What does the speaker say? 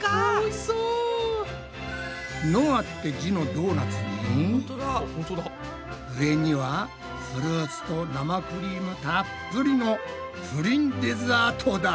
「のあ」って字のドーナツに上にはフルーツと生クリームたっぷりのプリンデザートだ。